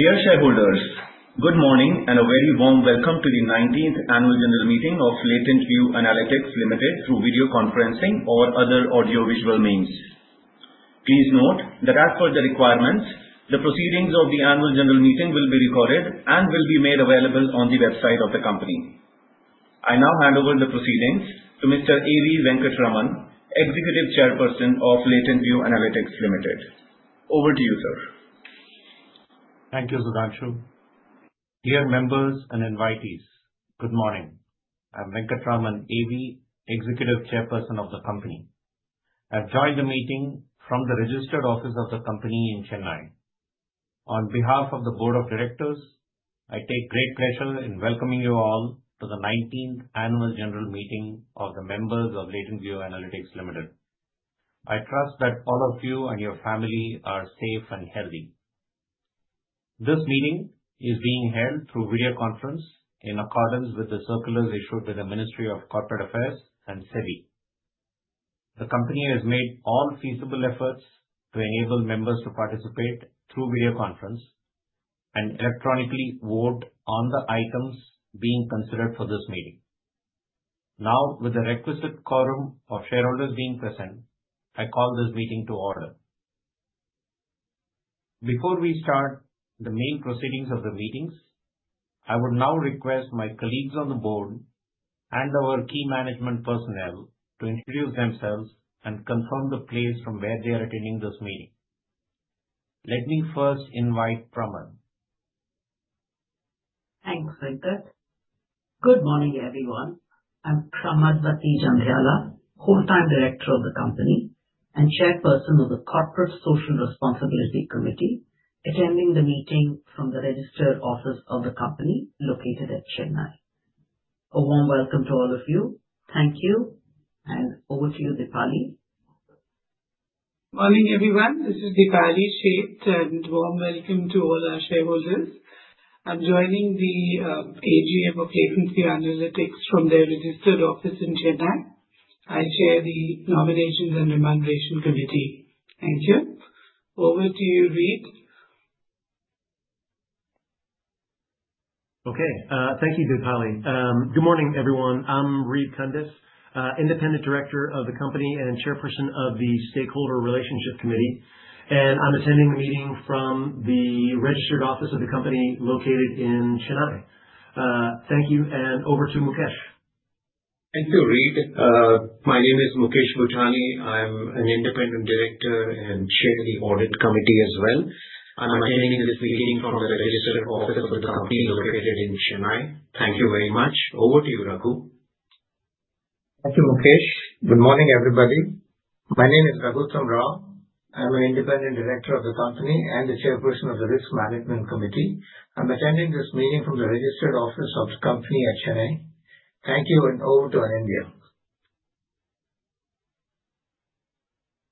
Dear shareholders, good morning and a very warm welcome to the 19th Annual General Meeting of LatentView Analytics Limited through video conferencing or other audio-visual means. Please note that as per the requirements, the proceedings of the Annual General Meeting will be recorded and will be made available on the website of the company. I now hand over the proceedings to Mr. A.V. Venkatraman, Executive Chairperson of LatentView Analytics Limited. Over to you, sir. Thank you, Sudhanshu. Dear members and invitees, good morning. I'm Venkatraman A.V., Executive Chairperson of the company. I've joined the meeting from the registered office of the company in Chennai. On behalf of the Board of Directors, I take great pleasure in welcoming you all to the 19th Annual General Meeting of the members of LatentView Analytics Limited. I trust that all of you and your family are safe and healthy. This meeting is being held through video conference in accordance with the circulars issued by the Ministry of Corporate Affairs and SEBI. The company has made all feasible efforts to enable members to participate through video conference and electronically vote on the items being considered for this meeting. Now, with the requisite quorum of shareholders being present, I call this meeting to order. Before we start the main proceedings of the meetings, I would now request my colleagues on the board and our key management personnel to introduce themselves and confirm the place from where they are attending this meeting. Let me first invite Pramadwathi. Thanks, Venkat. Good morning, everyone. I'm Pramadwathi Jandhyala, full-time director of the company and chairperson of the Corporate Social Responsibility Committee, attending the meeting from the registered office of the company located at Chennai. A warm welcome to all of you. Thank you, and over to you, Dipali. Morning, everyone. This is Dipali Sheth, and warm welcome to all our shareholders. I'm joining the AGM of LatentView Analytics from their registered office in Chennai. I chair the Nominations and Remuneration Committee. Thank you. Over to you, Reed. Okay. Thank you, Dipali. Good morning, everyone. I'm Reed Cundiff, Independent Director of the company and Chairperson of the Stakeholder Relationship Committee. And I'm attending the meeting from the registered office of the company located in Chennai. Thank you. And over to Mukesh. Thank you, Reed. My name is Mukesh Butani. I'm an Independent Director and chair of the Audit Committee as well. I'm attending this meeting from the registered office of the company located in Chennai. Thank you very much. Over to you, Raghu. Thank you, Mukesh. Good morning, everybody. My name is Raghu Venkat. I'm an Independent Director of the company and the Chairperson of the Risk Management Committee. I'm attending this meeting from the registered office of the company at Chennai. Thank you, and over to Anindya.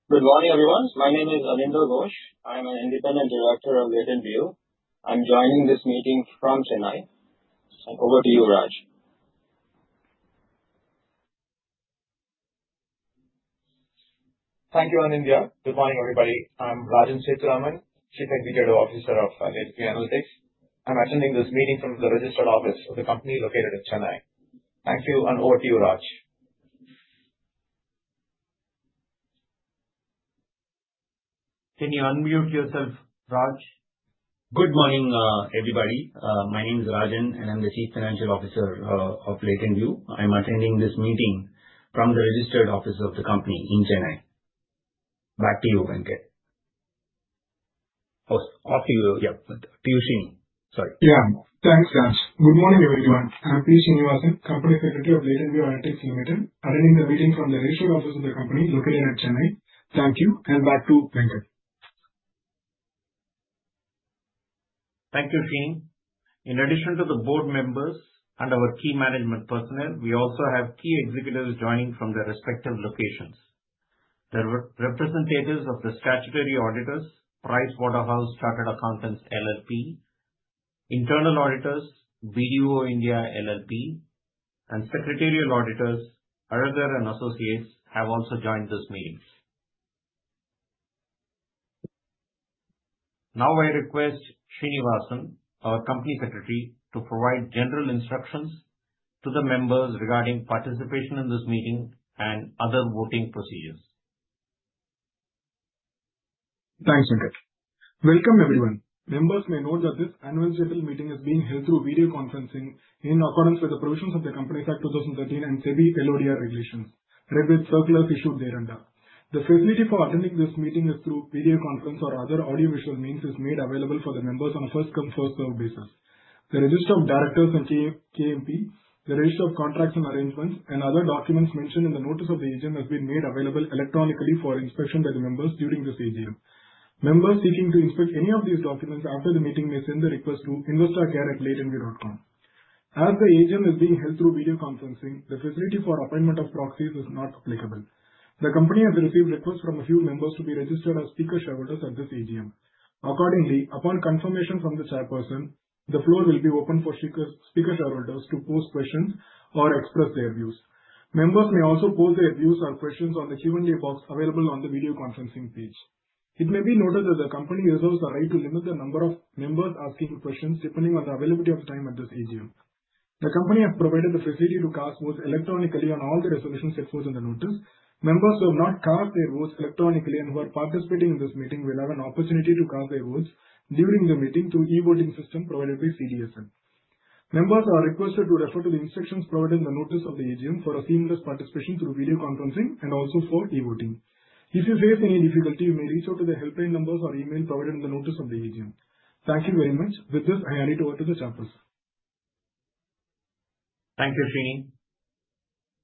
Good morning, everyone. My name is Anindya Ghose. I'm an Independent Director of LatentView. I'm joining this meeting from Chennai, and over to you, Raj. Thank you, Anindya. Good morning, everybody. I'm Rajan Sethuraman, Chief Executive Officer of LatentView Analytics. I'm attending this meeting from the registered office of the company located in Chennai. Thank you, and over to you, Raj. Can you unmute yourself, Raj? Good morning, everybody. My name is Rajan, and I'm the Chief Financial Officer of LatentView. I'm attending this meeting from the registered office of the company in Chennai. Back to you, Venkat. Off to you. Yeah. To you, Srini. Sorry. Yeah. Thanks, Raj. Good morning, everyone. I'm P. Srinivasan, Company Secretary of LatentView Analytics Limited, attending the meeting from the registered office of the company located at Chennai. Thank you, and back to Venkat. Thank you, Srini. In addition to the board members and our key management personnel, we also have key executives joining from their respective locations. The representatives of the statutory auditors, Price Waterhouse Chartered Accountants LLP, internal auditors, BDO India LLP, and secretarial auditors, M. Alagar & Associates, have also joined this meeting. Now, I request Srinivasan, our Company Secretary, to provide general instructions to the members regarding participation in this meeting and other voting procedures. Thanks, Venkat. Welcome, everyone. Members may note that this Annual General Meeting is being held through video conferencing in accordance with the provisions of the Companies Act, 2013 and SEBI LODR Regulations, read with circulars issued thereunder. The facility for attending this meeting is through video conference or other audio-visual means is made available for the members on a first-come, first-served basis. The register of directors and KMP, the register of contracts and arrangements, and other documents mentioned in the notice of the AGM have been made available electronically for inspection by the members during this AGM. Members seeking to inspect any of these documents after the meeting may send the request to investor.care@latentview.com. As the AGM is being held through video conferencing, the facility for appointment of proxies is not applicable. The company has received requests from a few members to be registered as speaker shareholders at this AGM. Accordingly, upon confirmation from the chairperson, the floor will be open for speaker shareholders to pose questions or express their views. Members may also pose their views or questions on the Q&A box available on the video conferencing page. It may be noted that the company reserves the right to limit the number of members asking questions depending on the availability of time at this AGM. The company has provided the facility to cast votes electronically on all the resolutions set forth in the notice. Members who have not cast their votes electronically and who are participating in this meeting will have an opportunity to cast their votes during the meeting through the e-voting system provided by CDSL. Members are requested to refer to the instructions provided in the notice of the AGM for seamless participation through video conferencing and also for e-voting. If you face any difficulty, you may reach out to the helpline numbers or email provided in the notice of the AGM. Thank you very much. With this, I hand it over to the chairperson. Thank you, Srini.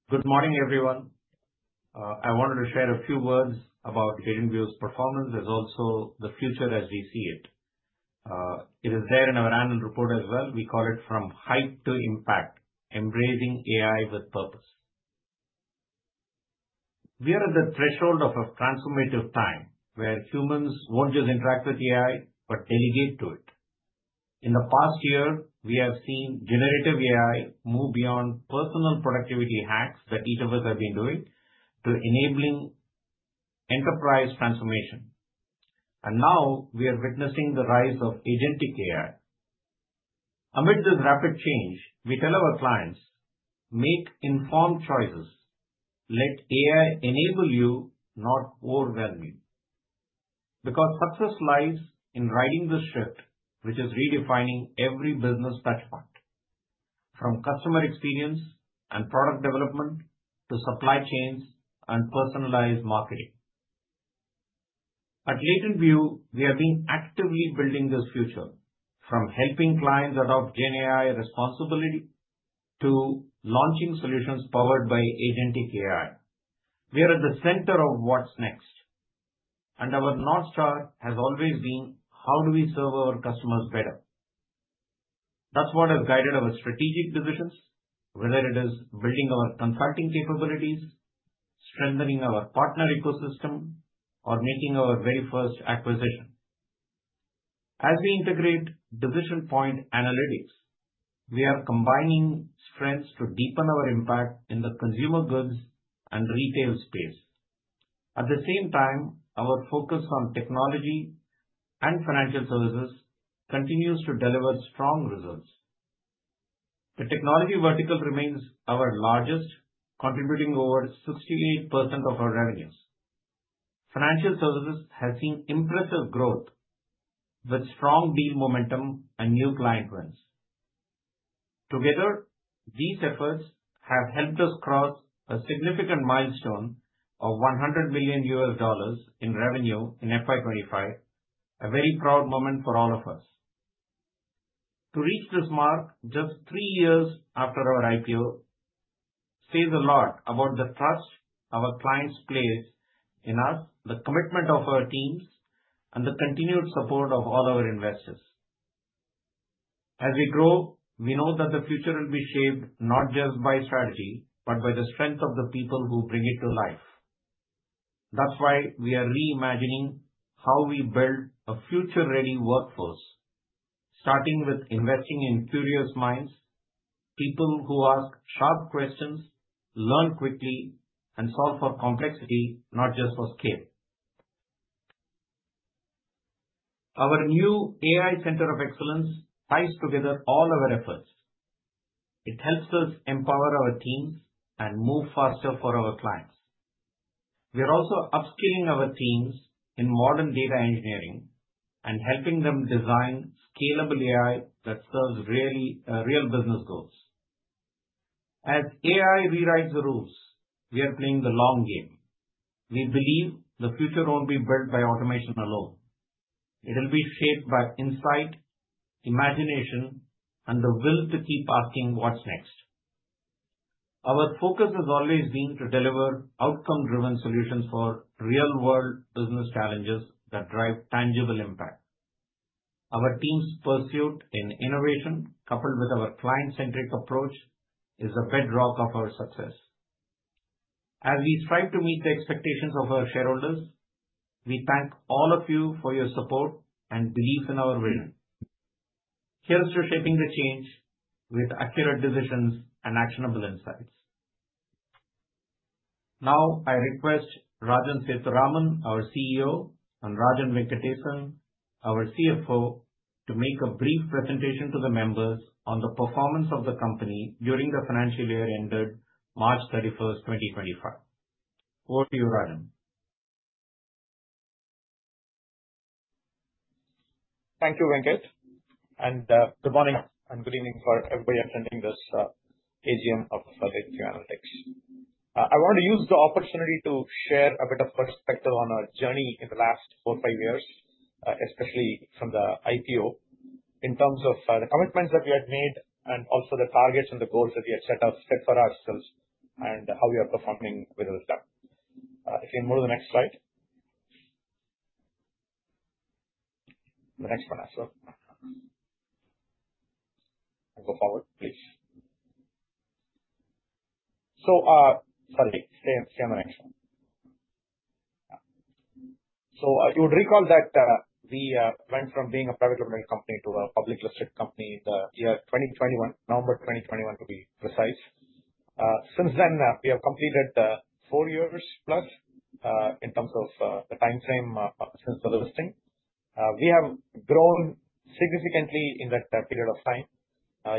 Good morning, everyone. I wanted to share a few words about LatentView's performance as well as the future as we see it. It is there in our Annual Report as well. We call it, "From Hype to Impact: Embracing AI with Purpose." We are at the threshold of a transformative time where humans won't just interact with AI but delegate to it. In the past year, we have seen Generative AI move beyond personal productivity hacks that each of us has been doing to enabling enterprise transformation, and now, we are witnessing the rise of Agentic AI. Amid this rapid change, we tell our clients, "Make informed choices. Let AI enable you, not overwhelm you." Because success lies in riding the shift which is redefining every business touchpoint, from customer experience and product development to supply chains and personalized marketing. At LatentView, we are being actively building this future, from helping clients adopt GenAI responsibility to launching solutions powered by Agentic AI. We are at the center of what's next. And our North Star has always been, "How do we serve our customers better?" That's what has guided our strategic decisions, whether it is building our consulting capabilities, strengthening our partner ecosystem, or making our very first acquisition. As we integrate Decision Point Analytics, we are combining strengths to deepen our impact in the consumer goods and retail space. At the same time, our focus on technology and financial services continues to deliver strong results. The technology vertical remains our largest, contributing over 68% of our revenues. Financial services has seen impressive growth with strong deal momentum and new client wins. Together, these efforts have helped us cross a significant milestone of $100 million in revenue in FY25, a very proud moment for all of us. To reach this mark just three years after our IPO says a lot about the trust our clients place in us, the commitment of our teams, and the continued support of all our investors. As we grow, we know that the future will be shaped not just by strategy but by the strength of the people who bring it to life. That's why we are reimagining how we build a future-ready workforce, starting with investing in curious minds, people who ask sharp questions, learn quickly, and solve for complexity, not just for scale. Our new AI Center of Excellence ties together all our efforts. It helps us empower our teams and move faster for our clients. We are also upskilling our teams in modern data engineering and helping them design scalable AI that serves real business goals. As AI rewrites the rules, we are playing the long game. We believe the future won't be built by automation alone. It will be shaped by insight, imagination, and the will to keep asking, "What's next?" Our focus has always been to deliver outcome-driven solutions for real-world business challenges that drive tangible impact. Our team's pursuit in innovation, coupled with our client-centric approach, is a bedrock of our success. As we strive to meet the expectations of our shareholders, we thank all of you for your support and belief in our vision. Here's to shaping the change with accurate decisions and actionable insights. Now, I request Rajan Sethuraman, our CEO, and Rajan Venkatesan, our CFO, to make a brief presentation to the members on the performance of the company during the financial year ended March 31st, 2025. Over to you, Rajan. Thank you, Venkat. And good morning and good evening for everybody attending this AGM of LatentView Analytics. I want to use the opportunity to share a bit of perspective on our journey in the last four or five years, especially from the IPO, in terms of the commitments that we had made and also the targets and the goals that we had set for ourselves and how we are performing with them. If you can move to the next slide. The next one, as well. And go forward, please. So sorry. Stay on the next one. So you would recall that we went from being a private-limited company to a public-listed company in the year 2021, November 2021, to be precise. Since then, we have completed four years plus in terms of the time frame since the listing. We have grown significantly in that period of time.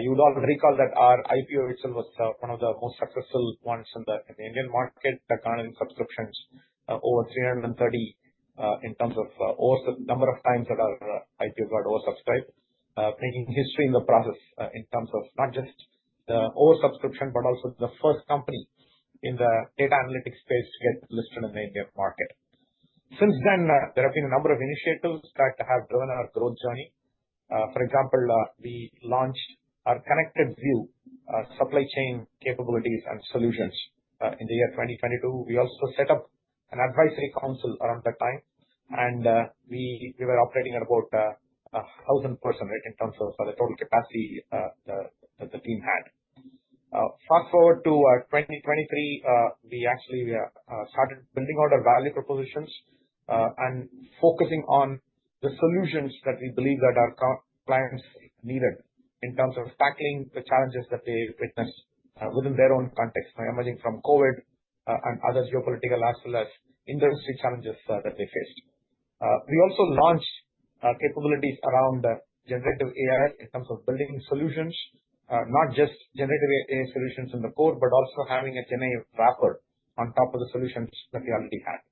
You would all recall that our IPO itself was one of the most successful ones in the Indian market, garnering subscriptions over 330 in terms of the number of times that our IPO got oversubscribed, making history in the process in terms of not just the oversubscription but also the first company in the data analytics space to get listed in the Indian market. Since then, there have been a number of initiatives that have driven our growth journey. For example, we launched our ConnectedView supply chain capabilities and solutions in the year 2022. We also set up an advisory council around that time, and we were operating at about 1,000 persons in terms of the total capacity that the team had. Fast forward to 2023, we actually started building out our value propositions and focusing on the solutions that we believe that our clients needed in terms of tackling the challenges that they witnessed within their own context, emerging from COVID and other geopolitical as well as industry challenges that they faced. We also launched capabilities around generative AI in terms of building solutions, not just generative AI solutions in the core but also having a GenAI wrapper on top of the solutions that we already had.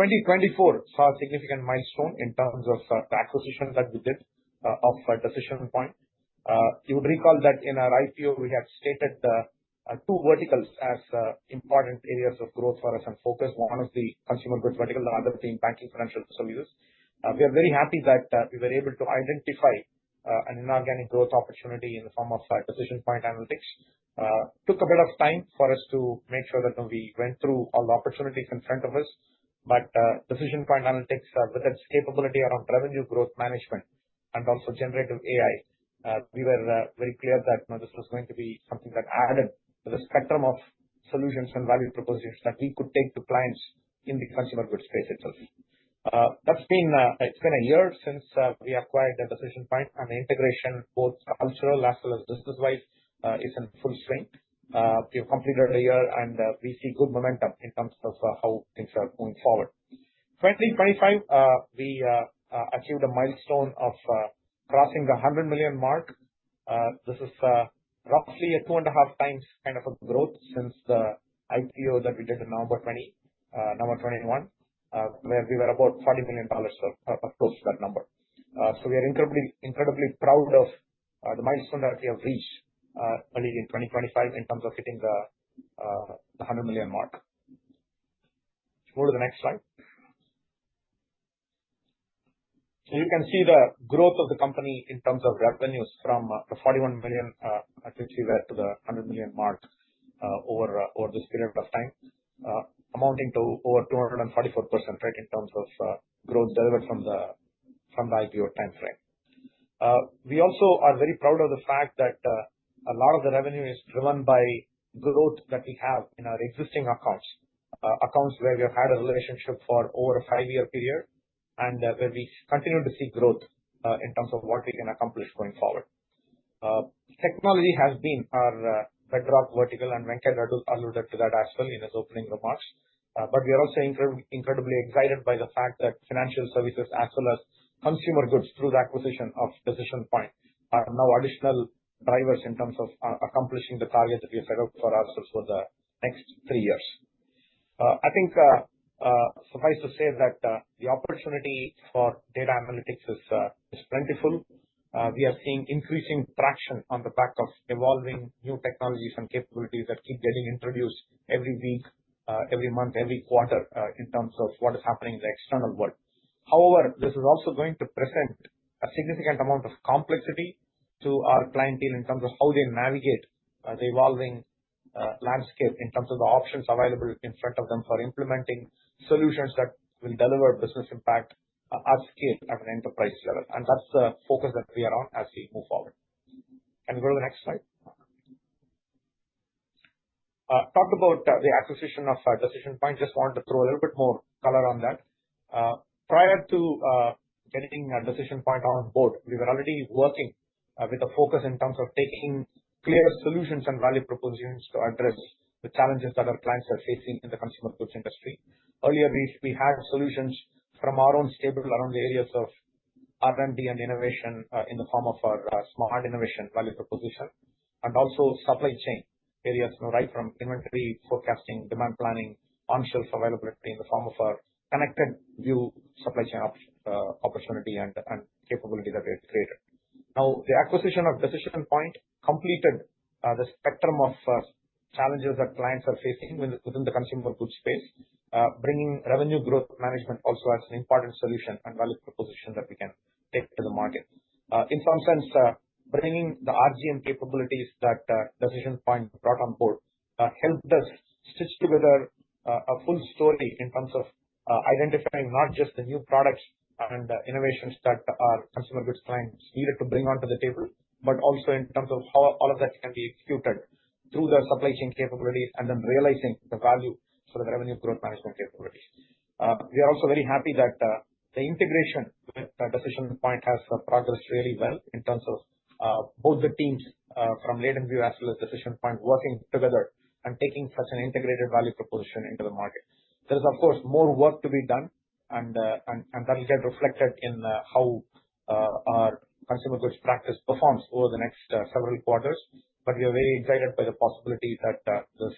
2024 saw a significant milestone in terms of the acquisition that we did of Decision Point. You would recall that in our IPO, we had stated two verticals as important areas of growth for us and focus. One was the consumer goods vertical. The other being banking financial services. We are very happy that we were able to identify an inorganic growth opportunity in the form of Decision Point Analytics. It took a bit of time for us to make sure that we went through all the opportunities in front of us. But Decision Point Analytics, with its capability around revenue growth management and also generative AI, we were very clear that this was going to be something that added to the spectrum of solutions and value propositions that we could take to clients in the consumer goods space itself. It's been a year since we acquired Decision Point, and the integration, both cultural as well as business-wise, is in full swing. We have completed a year, and we see good momentum in terms of how things are going forward. In 2025, we achieved a milestone of crossing the $100 million mark. This is roughly a two-and-a-half times kind of a growth since the IPO that we did in November 2021, where we were about $40 million, close to that number. So we are incredibly proud of the milestone that we have reached early in 2025 in terms of hitting the $100 million mark. Move to the next slide. So you can see the growth of the company in terms of revenues from the $41 million that we achieved to the $100 million mark over this period of time, amounting to over 244% in terms of growth delivered from the IPO time frame. We also are very proud of the fact that a lot of the revenue is driven by growth that we have in our existing accounts, accounts where we have had a relationship for over a five-year period and where we continue to see growth in terms of what we can accomplish going forward. Technology has been our bedrock vertical, and Venkatesan alluded to that as well in his opening remarks. But we are also incredibly excited by the fact that financial services as well as consumer goods through the acquisition of Decision Point are now additional drivers in terms of accomplishing the target that we have set out for ourselves for the next three years. I think suffice to say that the opportunity for data analytics is plentiful. We are seeing increasing traction on the back of evolving new technologies and capabilities that keep getting introduced every week, every month, every quarter in terms of what is happening in the external world. However, this is also going to present a significant amount of complexity to our clientele in terms of how they navigate the evolving landscape in terms of the options available in front of them for implementing solutions that will deliver business impact at scale at an enterprise level. And that's the focus that we are on as we move forward. Can we go to the next slide? Talked about the acquisition of Decision Point. Just wanted to throw a little bit more color on that. Prior to getting Decision Point on board, we were already working with a focus in terms of taking clear solutions and value propositions to address the challenges that our clients are facing in the consumer goods industry. Earlier, we had solutions from our own stable around the areas of R&D and innovation in the form of our SmartInnovation value proposition and also supply chain areas, right from inventory forecasting, demand planning, on-shelf availability in the form of our ConnectedView supply chain opportunity and capability that we had created. Now, the acquisition of Decision Point completed the spectrum of challenges that clients are facing within the consumer goods space, bringing Revenue Growth Management also as an important solution and value proposition that we can take to the market. In some sense, bringing the RGM capabilities that Decision Point brought on board helped us stitch together a full story in terms of identifying not just the new products and innovations that our consumer goods clients needed to bring onto the table, but also in terms of how all of that can be executed through the supply chain capabilities and then realizing the value for the revenue growth management capabilities. We are also very happy that the integration with Decision Point has progressed really well in terms of both the teams from LatentView as well as Decision Point working together and taking such an integrated value proposition into the market. There is, of course, more work to be done, and that will get reflected in how our consumer goods practice performs over the next several quarters. But we are very excited by the possibility that this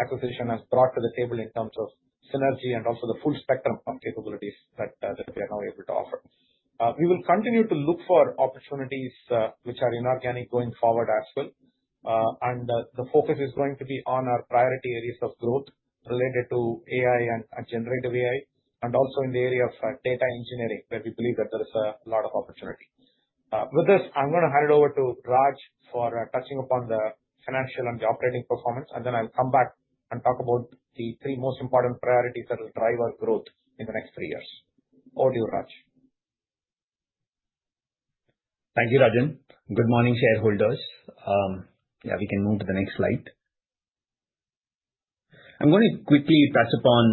acquisition has brought to the table in terms of synergy and also the full spectrum of capabilities that we are now able to offer. We will continue to look for opportunities which are inorganic going forward as well. And the focus is going to be on our priority areas of growth related to AI and generative AI and also in the area of data engineering, where we believe that there is a lot of opportunity. With this, I'm going to hand it over to Raj for touching upon the financial and the operating performance. And then I'll come back and talk about the three most important priorities that will drive our growth in the next three years. Over to you, Raj. Thank you, Rajan. Good morning, shareholders. Yeah, we can move to the next slide. I'm going to quickly touch upon,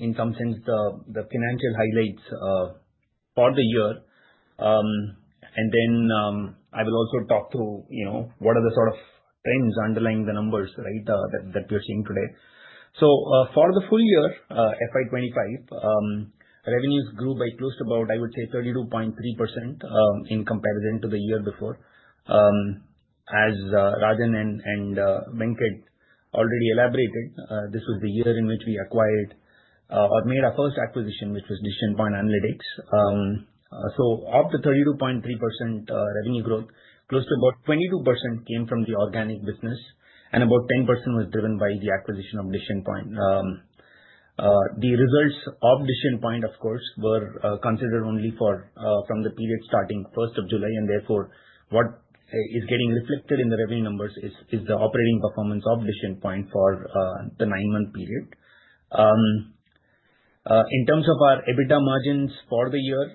in some sense, the financial highlights for the year. Then I will also talk through what are the sort of trends underlying the numbers that we are seeing today. For the full year, FY25, revenues grew by close to about, I would say, 32.3% in comparison to the year before. As Rajan and Venkat already elaborated, this was the year in which we acquired or made our first acquisition, which was Decision Point Analytics. Of the 32.3% revenue growth, close to about 22% came from the organic business, and about 10% was driven by the acquisition of Decision Point. The results of Decision Point, of course, were considered only from the period starting 1st of July. And therefore, what is getting reflected in the revenue numbers is the operating performance of Decision Point for the nine-month period. In terms of our EBITDA margins for the year,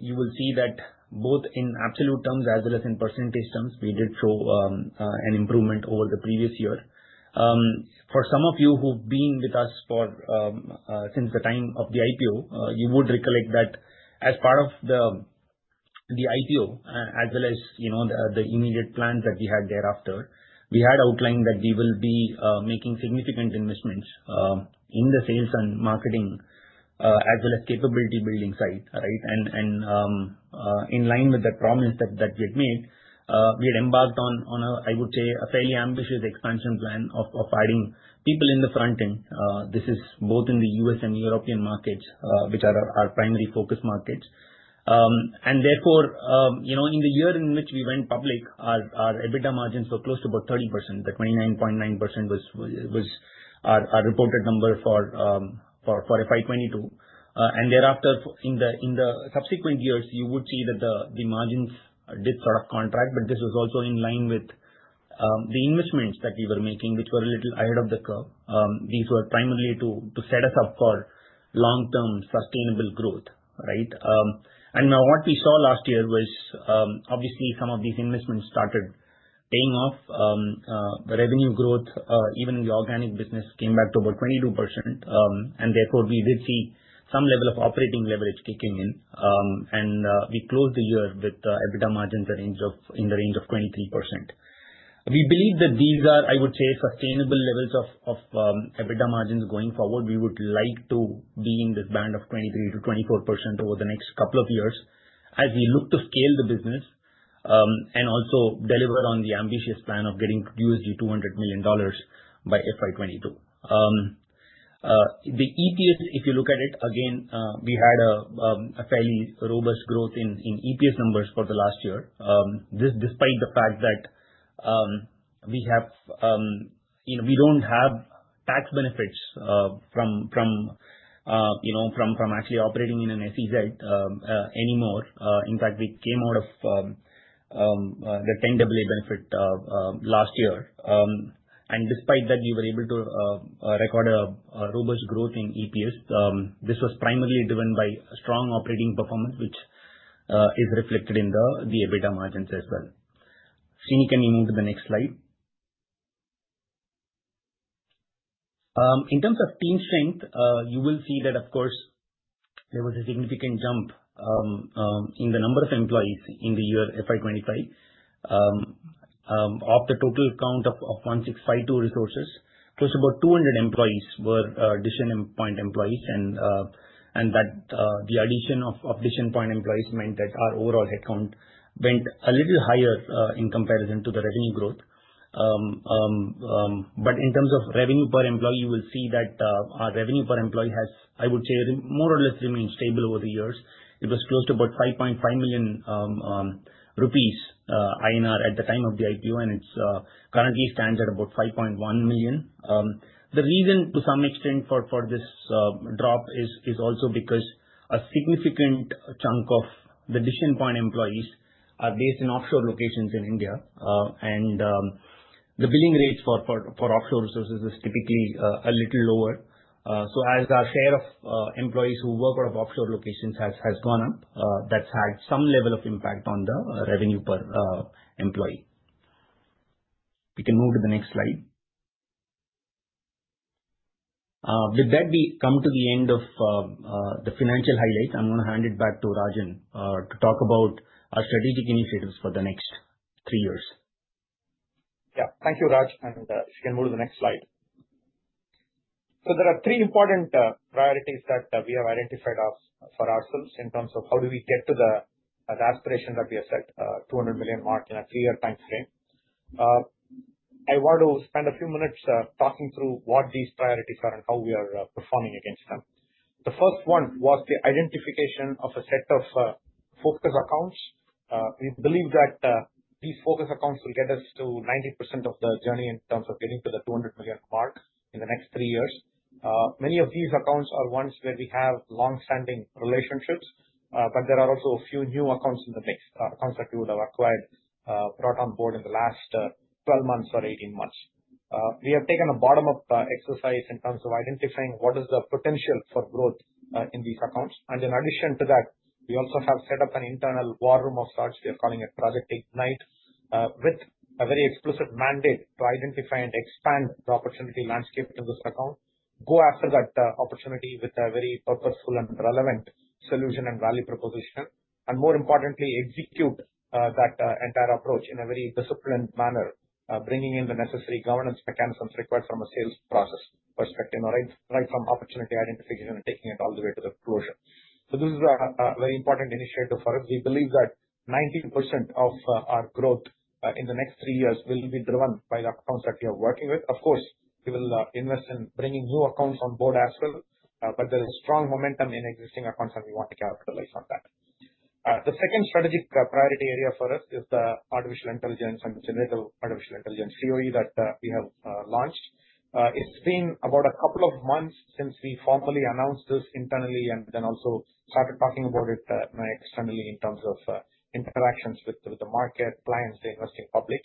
you will see that both in absolute terms as well as in percentage terms, we did show an improvement over the previous year. For some of you who've been with us since the time of the IPO, you would recollect that as part of the IPO, as well as the immediate plans that we had thereafter, we had outlined that we will be making significant investments in the sales and marketing as well as capability-building side. And in line with that promise that we had made, we had embarked on, I would say, a fairly ambitious expansion plan of adding people in the front end. This is both in the U.S. and European markets, which are our primary focus markets. And therefore, in the year in which we went public, our EBITDA margins were close to about 30%. The 29.9% was our reported number for FY22. And thereafter, in the subsequent years, you would see that the margins did sort of contract. But this was also in line with the investments that we were making, which were a little ahead of the curve. These were primarily to set us up for long-term sustainable growth. And now what we saw last year was, obviously, some of these investments started paying off. The revenue growth, even in the organic business, came back to about 22%. And therefore, we did see some level of operating leverage kicking in. And we closed the year with EBITDA margins in the range of 23%. We believe that these are, I would say, sustainable levels of EBITDA margins going forward. We would like to be in this band of 23%-24% over the next couple of years as we look to scale the business and also deliver on the ambitious plan of getting $200 million by FY2022. The EPS, if you look at it, again, we had a fairly robust growth in EPS numbers for the last year, despite the fact that we don't have tax benefits from actually operating in an SEZ anymore. In fact, we came out of the 10AA benefit last year, and despite that, we were able to record a robust growth in EPS. This was primarily driven by strong operating performance, which is reflected in the EBITDA margins as well. We can move to the next slide. In terms of team strength, you will see that, of course, there was a significant jump in the number of employees in the year FY2025. Of the total count of 1652 resources, close to about 200 employees were Decision Point employees, and the addition of Decision Point employees meant that our overall headcount went a little higher in comparison to the revenue growth. But in terms of revenue per employee, you will see that our revenue per employee has, I would say, more or less remained stable over the years. It was close to about 5.5 million rupees at the time of the IPO, and it currently stands at about 5.1 million. The reason to some extent for this drop is also because a significant chunk of the Decision Point employees are based in offshore locations in India, and the billing rates for offshore resources is typically a little lower. So as our share of employees who work out of offshore locations has gone up, that's had some level of impact on the revenue per employee. We can move to the next slide. With that, we come to the end of the financial highlights. I'm going to hand it back to Rajan to talk about our strategic initiatives for the next three years. Yeah. Thank you, Raj. And if you can move to the next slide. So there are three important priorities that we have identified for ourselves in terms of how do we get to the aspiration that we have set, $200 million mark in a three-year time frame. I want to spend a few minutes talking through what these priorities are and how we are performing against them. The first one was the identification of a set of focus accounts. We believe that these focus accounts will get us to 90% of the journey in terms of getting to the $200 million mark in the next three years. Many of these accounts are ones where we have long-standing relationships. But there are also a few new accounts in the mix, accounts that we would have acquired, brought on board in the last 12 months or 18 months. We have taken a bottom-up exercise in terms of identifying what is the potential for growth in these accounts, and in addition to that, we also have set up an internal war room of sorts. We are calling it Project Ignite, with a very explicit mandate to identify and expand the opportunity landscape to this account, go after that opportunity with a very purposeful and relevant solution and value proposition, and more importantly, execute that entire approach in a very disciplined manner, bringing in the necessary governance mechanisms required from a sales process perspective or right from opportunity identification and taking it all the way to the closure. This is a very important initiative for us. We believe that 90% of our growth in the next three years will be driven by the accounts that we are working with. Of course, we will invest in bringing new accounts on board as well. But there is strong momentum in existing accounts, and we want to capitalize on that. The second strategic priority area for us is the artificial intelligence and generative artificial intelligence, CoE, that we have launched. It's been about a couple of months since we formally announced this internally and then also started talking about it externally in terms of interactions with the market, clients, the investing public.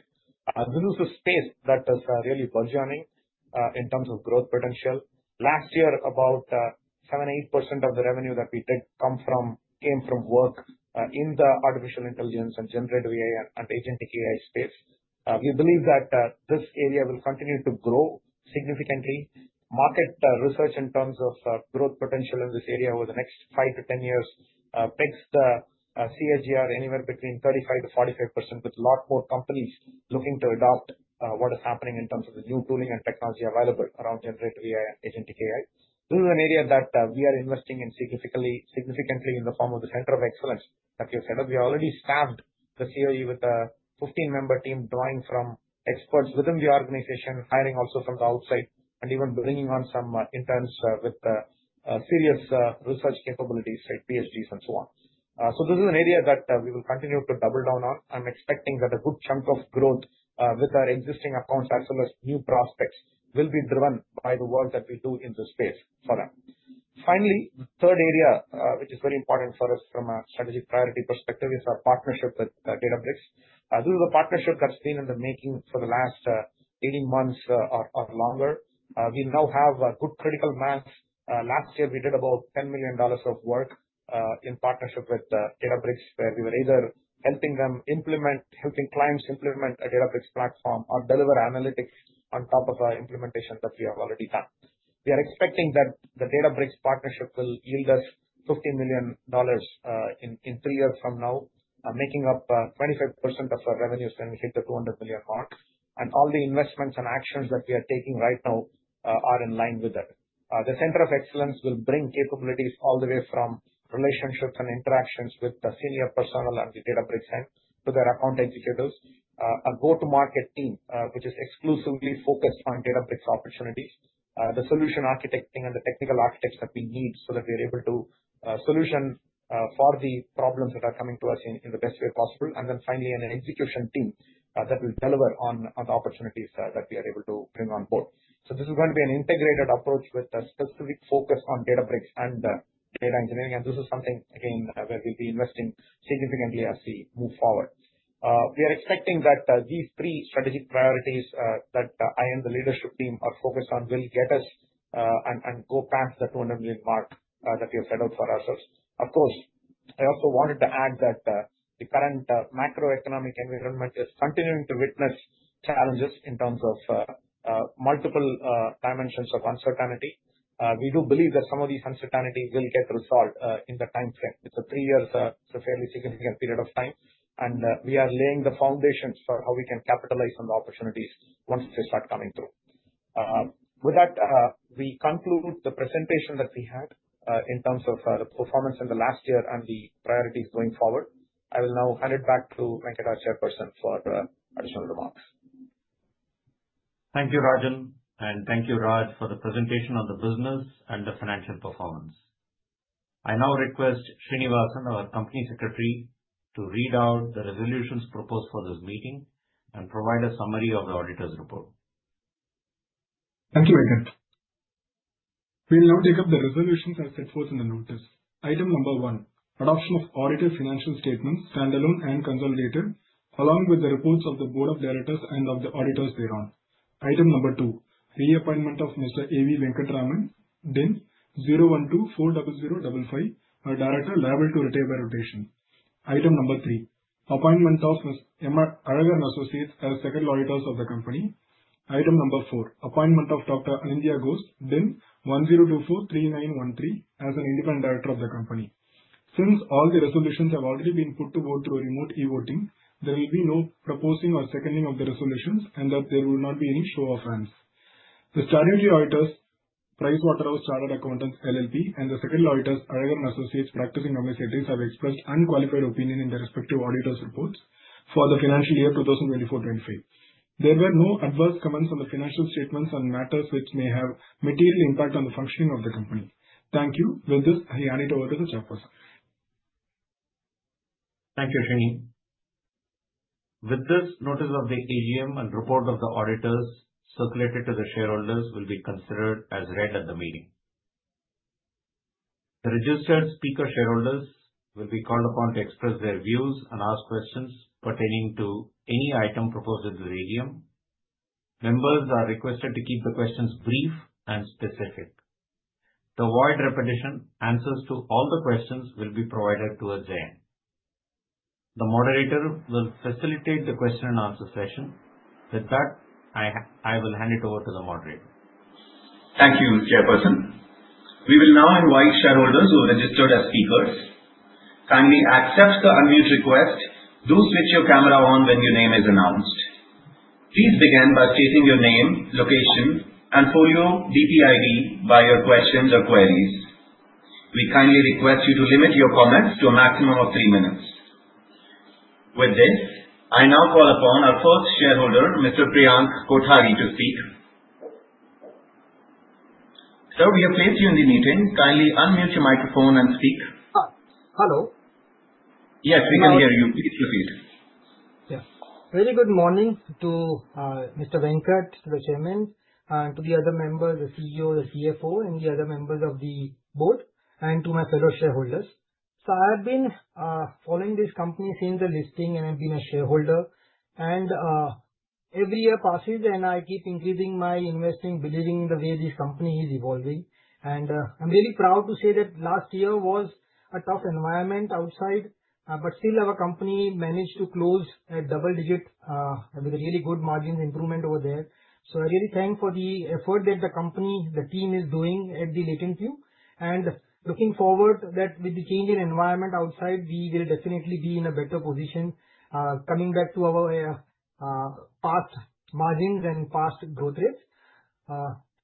This is a space that is really burgeoning in terms of growth potential. Last year, about 7%-8% of the revenue that we did come from came from work in the artificial intelligence and generative AI and agentic AI space. We believe that this area will continue to grow significantly. Market research in terms of growth potential in this area over the next 5 to 10 years pegs the CAGR anywhere between 35%-45%, with a lot more companies looking to adopt what is happening in terms of the new tooling and technology available around Generative AI and Agentic AI. This is an area that we are investing in significantly in the form of the Center of Excellence that you set up. We already staffed the CoE with a 15-member team drawing from experts within the organization, hiring also from the outside, and even bringing on some interns with serious research capabilities, PhDs, and so on. So this is an area that we will continue to double down on. I'm expecting that a good chunk of growth with our existing accounts as well as new prospects will be driven by the work that we do in this space for them. Finally, the third area, which is very important for us from a strategic priority perspective, is our partnership with Databricks. This is a partnership that's been in the making for the last 18 months or longer. We now have a good critical mass. Last year, we did about $10 million of work in partnership with Databricks, where we were either helping them implement, helping clients implement a Databricks platform, or deliver analytics on top of our implementation that we have already done. We are expecting that the Databricks partnership will yield us $15 million in three years from now, making up 25% of our revenues when we hit the $200 million mark. And all the investments and actions that we are taking right now are in line with that. The Center of Excellence will bring capabilities all the way from relationships and interactions with the senior personnel at the Databricks end to their account executives, a go-to-market team, which is exclusively focused on Databricks opportunities, the solution architecting and the technical architects that we need so that we are able to solution for the problems that are coming to us in the best way possible. And then finally, an execution team that will deliver on the opportunities that we are able to bring on board. So this is going to be an integrated approach with a specific focus on Databricks and data engineering. And this is something, again, where we'll be investing significantly as we move forward. We are expecting that these three strategic priorities that I and the leadership team are focused on will get us and go past the $200 million mark that we have set out for ourselves. Of course, I also wanted to add that the current macroeconomic environment is continuing to witness challenges in terms of multiple dimensions of uncertainty. We do believe that some of these uncertainties will get resolved in the time frame. It's a three-year, so fairly significant period of time. And we are laying the foundations for how we can capitalize on the opportunities once they start coming through. With that, we conclude the presentation that we had in terms of the performance in the last year and the priorities going forward. I will now hand it back to A.V. Venkatraman, Chairperson, for additional remarks. Thank you, Rajan, and thank you, Raj, for the presentation on the business and the financial performance. I now request Srinivasan, our Company Secretary, to read out the resolutions proposed for this meeting and provide a summary of the auditor's report. Thank you, Venkatesan. We'll now take up the resolutions as set forth in the notice. Item number one, adoption of audited financial statements, standalone and consolidated, along with the reports of the board of directors and of the auditors thereon. Item number two, reappointment of Mr. A.V. Venkatraman, DIN 01240055, a director liable to retire by rotation. Item number three, appointment of M. Alagar and Associates as second auditors of the company. Item number four, appointment of Dr. Anindya Ghose, DIN 10243913, as an independent director of the company. Since all the resolutions have already been put to vote through remote e-voting, there will be no proposing or seconding of the resolutions, and there will not be any show of hands. The statutory auditors, Price Waterhouse Chartered Accountants LLP, and the secretarial auditors, Alagar & Associates, practicing company secretaries, have expressed unqualified opinion in their respective auditor's reports for the financial year 2024-25. There were no adverse comments on the financial statements and matters which may have material impact on the functioning of the company. Thank you. With this, I hand it over to the chairperson. Thank you, Srini. With this, notice of the AGM and report of the auditors circulated to the shareholders will be considered as read at the meeting. The registered speaker shareholders will be called upon to express their views and ask questions pertaining to any item proposed in the AGM. Members are requested to keep the questions brief and specific. To avoid repetition, answers to all the questions will be provided at the end. The moderator will facilitate the question and answer session. With that, I will hand it over to the moderator. Thank you, chairperson. We will now invite shareholders who are registered as speakers. Kindly accept the unmute request. Do switch your camera on when your name is announced. Please begin by stating your name, location, and folio DPID before your questions or queries. We kindly request you to limit your comments to a maximum of three minutes. With this, I now call upon our first shareholder, Mr. Priyank Kothari, to speak. Sir, we have placed you in the meeting. Kindly unmute your microphone and speak. Hello. Yes, we can hear you. Please proceed. Yeah. Very good morning to Mr. Venkat, to the chairman, and to the other members, the CEO, the CFO, and the other members of the board, and to my fellow shareholders. So I have been following this company since the listing, and I've been a shareholder. And every year passes, and I keep increasing my investing, believing in the way this company is evolving. And I'm really proud to say that last year was a tough environment outside, but still our company managed to close at double-digit with a really good margins improvement over there. So I really thank for the effort that the company, the team is doing at LatentView. And looking forward that with the change in environment outside, we will definitely be in a better position coming back to our past margins and past growth rates.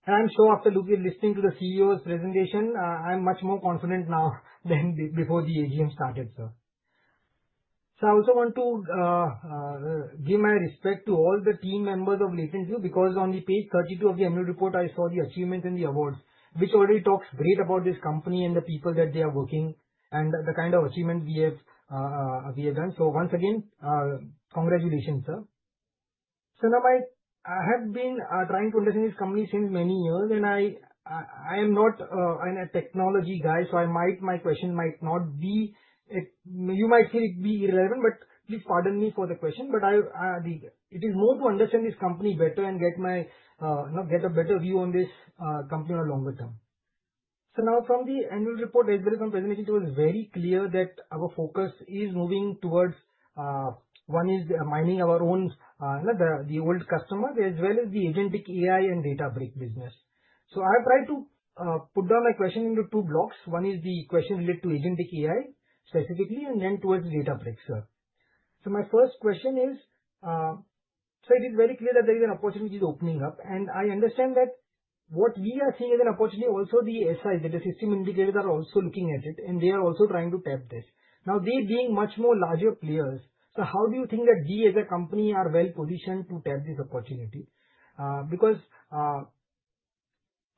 And I'm sure after listening to the CEO's presentation, I'm much more confident now than before the AGM started, sir. So I also want to give my respect to all the team members of LatentView because on page 32 of the annual report, I saw the achievements and the awards, which already talks great about this company and the people that they are working and the kind of achievement we have done. So once again, congratulations, sir. So now I have been trying to understand this company since many years, and I am not a technology guy, so my question might not be you might feel it'd be irrelevant, but please pardon me for the question. But it is more to understand this company better and get a better view on this company on a longer term. So now from the annual report, as well as from presentation, it was very clear that our focus is moving towards one is mining our own the old customers, as well as the Agentic AI and Databricks business. So I have tried to put down my question into two blocks. One is the question related to Agentic AI specifically, and then towards Databricks, sir. So my first question is, so it is very clear that there is an opportunity opening up. And I understand that what we are seeing as an opportunity, also the SIs, that the system integrators are also looking at it, and they are also trying to tap this. Now, they being much more larger players, so how do you think that we as a company are well positioned to tap this opportunity?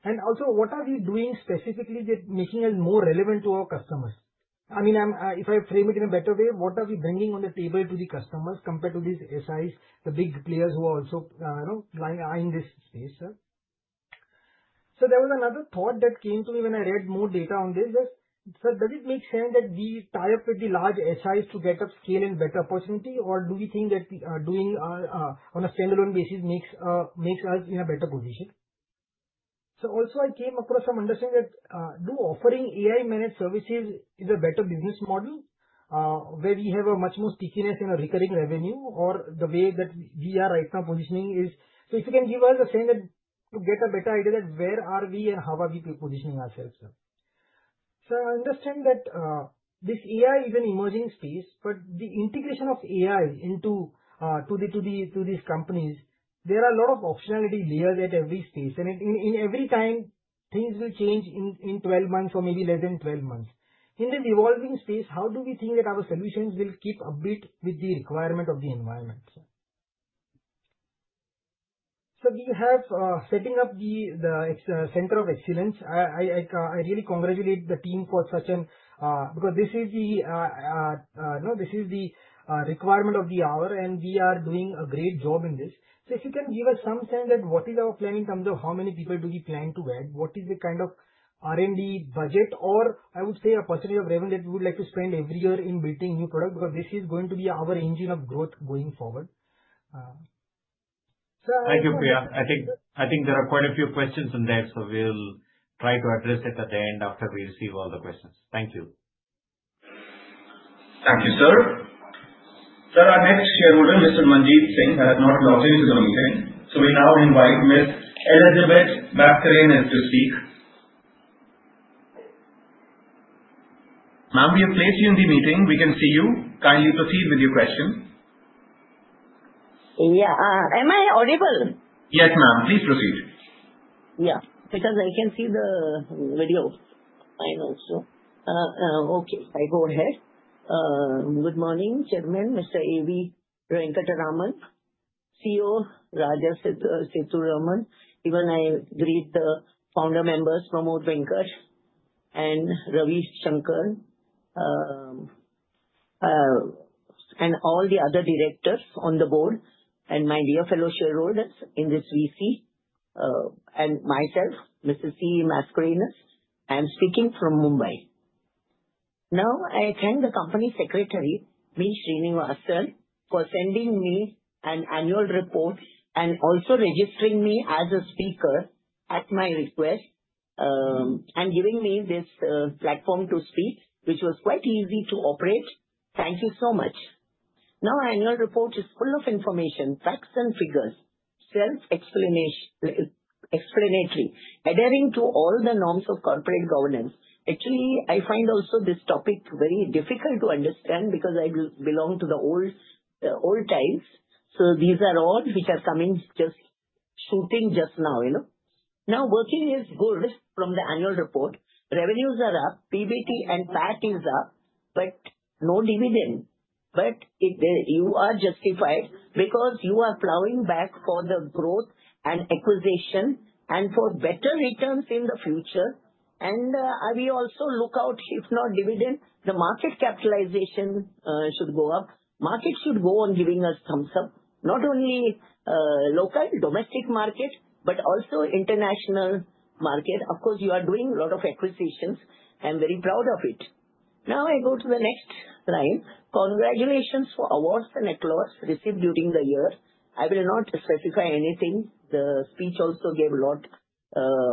And also, what are we doing specifically that making us more relevant to our customers? I mean, if I frame it in a better way, what are we bringing on the table to the customers compared to these SIs, the big players who are also in this space, sir? So there was another thought that came to me when I read more data on this. Sir, does it make sense that we tie up with the large SIs to get upscale and better opportunity, or do we think that doing on a standalone basis makes us in a better position? So also, I came across some understanding that do offering AI-managed services is a better business model where we have a much more stickiness in a recurring revenue, or the way that we are right now positioning is so if you can give us a sense to get a better idea that where are we and how are we positioning ourselves, sir? I understand that this AI is an emerging space, but the integration of AI into these companies, there are a lot of optionality layers at every space. And in every time, things will change in 12 months or maybe less than 12 months. In this evolving space, how do we think that our solutions will keep upbeat with the requirement of the environment, sir? We have setting up the Center of Excellence. I really congratulate the team for such a because this is the requirement of the hour, and we are doing a great job in this. So if you can give us some sense that what is our plan in terms of how many people do we plan to add, what is the kind of R&D budget, or I would say a percentage of revenue that we would like to spend every year in building new product because this is going to be our engine of growth going forward. So. Thank you, Priya. I think there are quite a few questions in there, so we'll try to address it at the end after we receive all the questions. Thank you. Thank you, sir. Sir, our next shareholder, Mr. Manjeet Singh, has not logged into the meeting. So we now invite Ms. Elizabeth Mascarenhas to speak. Ma'am, we have placed you in the meeting. We can see you. Kindly proceed with your question. Yeah. Am I audible? Yes, ma'am. Please proceed. Yeah, because I can see the video. Fine also. Okay, I go ahead. Good morning, Chairman, Mr. A.V. Venkatraman, CEO Rajan Sethuraman. Even I greet the founder members, Pramad, Venkat and Ravi Shankar, and all the other directors on the board, and my dear fellow shareholders in this VC, and myself, Mrs. C. Mascarenhas. I am speaking from Mumbai. Now, I thank the company secretary, P. Srinivasan, for sending me an annual report and also registering me as a speaker at my request and giving me this platform to speak, which was quite easy to operate. Thank you so much. Now, our annual report is full of information, facts and figures, self-explanatory, adhering to all the norms of corporate governance. Actually, I find also this topic very difficult to understand because I belong to the old times. So these are all which are coming just shooting just now. Now, working is good from the annual report. Revenues are up. PBT and PAT is up, but no dividend. But you are justified because you are ploughing back for the growth and acquisition and for better returns in the future. And we also look forward, if not dividend, the market capitalization should go up. Market should go on giving us thumbs up, not only local domestic market, but also international market. Of course, you are doing a lot of acquisitions. I'm very proud of it. Now, I go to the next line. Congratulations for awards and accolades received during the year. I will not specify anything. The speech also gave a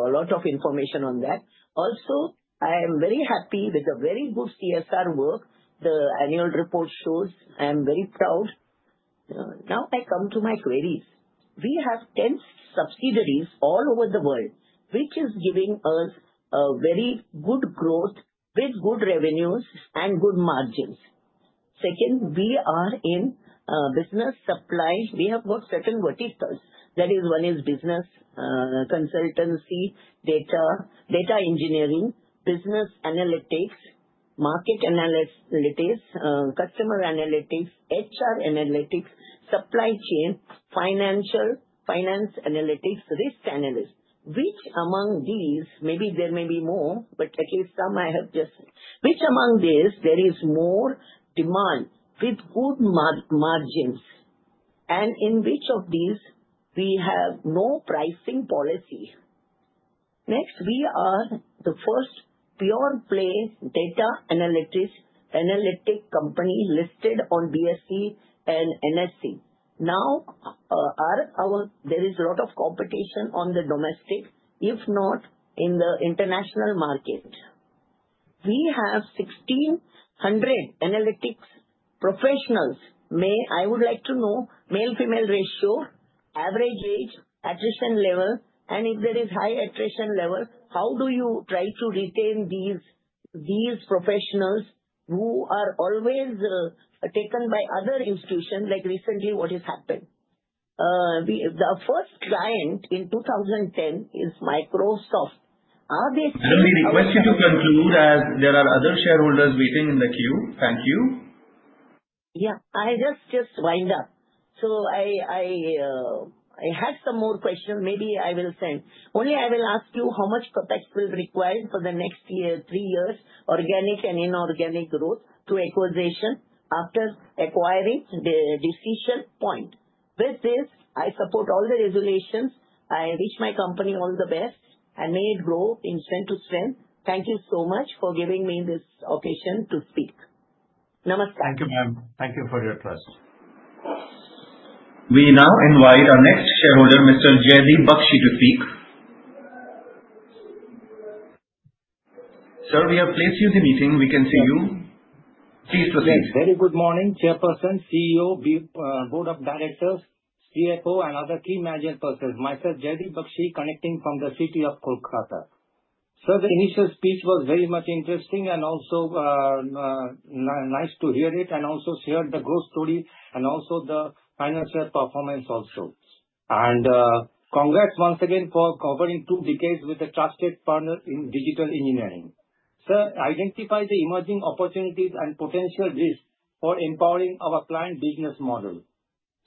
lot of information on that. Also, I am very happy with the very good CSR work the annual report shows. I am very proud. Now, I come to my queries. We have 10 subsidiaries all over the world, which is giving us a very good growth with good revenues and good margins. Second, we are in business analytics. We have got certain verticals. That is, one is business consultancy, data engineering, business analytics, market analytics, customer analytics, HR analytics, supply chain, financial analytics, risk analytics. Which among these, maybe there may be more, but at least some I have just said. Which among these, there is more demand with good margins? And in which of these, we have no pricing policy? Next, we are the first pure-play data analytics company listed on BSE and NSE. Now, there is a lot of competition on the domestic, if not in the international market. We have 1,600 analytics professionals. I would like to know male-female ratio, average age, attrition level, and if there is high attrition level, how do you try to retain these professionals who are always taken by other institutions like recently what has happened? The first client in 2010 is Microsoft. Are they still? I only request you to conclude as there are other shareholders waiting in the queue. Thank you. Yeah, I just wind up. So I have some more questions. Maybe I will send. Only I will ask you how much CapEx will be required for the next three years, organic and inorganic growth to acquisition after acquiring the Decision Point. With this, I support all the resolutions. I wish my company all the best and may it grow in strength to strength. Thank you so much for giving me this occasion to speak. Namaskar. Thank you, ma'am. Thank you for your trust. We now invite our next shareholder, Mr. Jaydeep Bakshi, to speak. Sir, we have placed you in the meeting. We can see you. Please proceed. Yes, very good morning, Chairperson, CEO, Board of Directors, CFO, and other key managing persons. Myself, Jaydeep Bakshi, connecting from the city of Kolkata. Sir, the initial speech was very much interesting and also nice to hear it and also shared the growth story and also the financial performance also, and congrats once again for covering two decades with a trusted partner in digital engineering. Sir, identify the emerging opportunities and potential risks for empowering our client business model.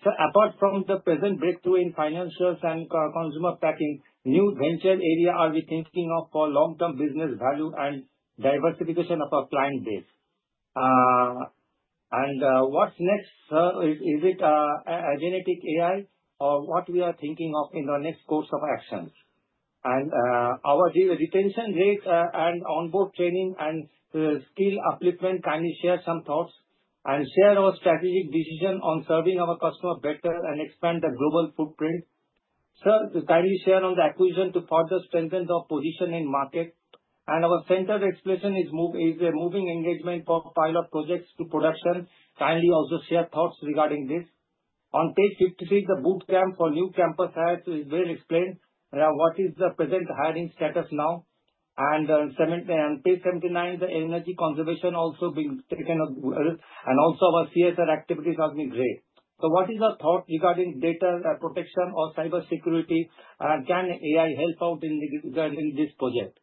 Sir, apart from the present breakthrough in financials and consumer packing, new venture areas are we thinking of for long-term business value and diversification of our client base? What's next, sir? Is it a GenAI or what we are thinking of in our next course of actions? And our retention rate and onboard training and skill application, can you share some thoughts and share our strategic decision on serving our customer better and expand the global footprint? Sir, can you share on the acquisition to further strengthen the position in market? And our Center of Excellence explanation is a moving engagement for pilot projects to production. Kindly also share thoughts regarding this. On page 53, the boot camp for new campus has been explained. What is the present hiring status now? And page 79, the energy conservation also being taken up, and also our CSR activities have been great. So what is our thought regarding data protection or cybersecurity, and can AI help out in this project?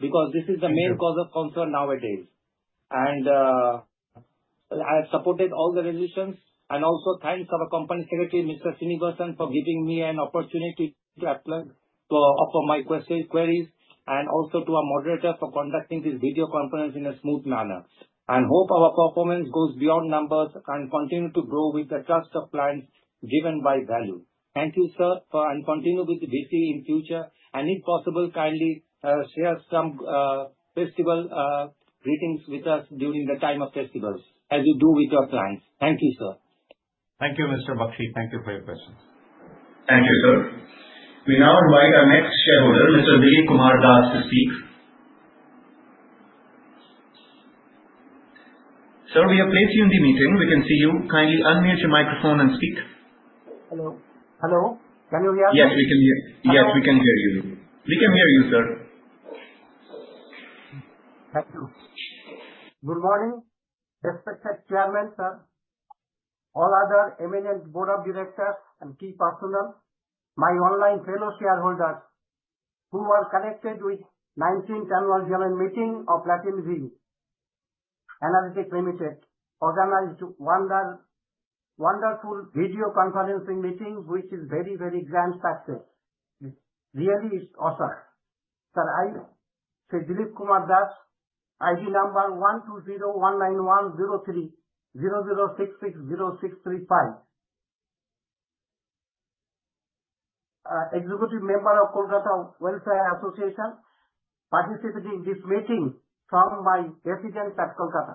Because this is the main cause of concern nowadays. And I have supported all the resolutions. And also, thanks to our company secretary, Mr. Srinivasan, for giving me an opportunity to reply to my questions, queries, and also to our moderator for conducting this video conference in a smooth manner. And hope our performance goes beyond numbers and continues to grow with the trust of clients given by value. Thank you, sir, and continue with the VC in the future. And if possible, kindly share some festival greetings with us during the time of festivals as you do with your clients. Thank you, sir. Thank you, Mr. Bakshi. Thank you for your questions. Thank you, sir. We now invite our next shareholder, Mr. Dilip Kumar Das to speak. Sir, we have placed you in the meeting. We can see you. Kindly unmute your microphone and speak. Hello. Hello. Can you hear me? Yes, we can hear. Yes, we can hear you. We can hear you, sir. Thank you. Good morning, respected Chairman, sir, all other eminent Board of Directors and key personnel, my online fellow shareholders who are connected with the 19th annual general meeting of LatentView Analytics Limited, organized wonderful video conferencing meeting, which is very, very grand success. Really, it's awesome. Sir, I say Dilip Kumar Das, ID number 1201910300660635, executive member of Kolkata Welfare Association, participating in this meeting from my residence at Kolkata.